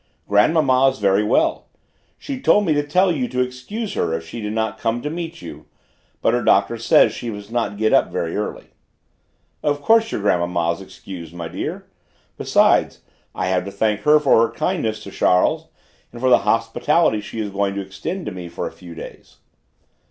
"Grandmamma is very well; she told me to tell you to excuse her if she did not come to meet you, but her doctor says she must not get up very early." "Of course your grandmamma is excused, my dear. Besides, I have to thank her for her kindness to Charles, and for the hospitality she is going to extend to me for a few days."